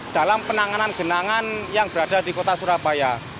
dalam penanganan genangan yang berada di kota surabaya